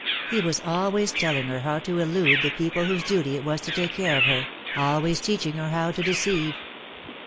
He was always telling her how to elude' the people whose duty it was to take care of her, always teach ing her how to deceive.